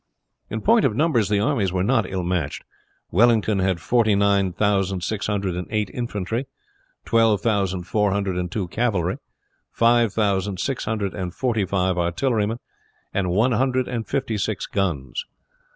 In point of numbers the armies were not ill matched. Wellington had forty nine thousand six hundred and eight infantry twelve thousand four hundred and two cavalry, five thousand six hundred and forty five artillerymen, and one hundred and fifty six guns.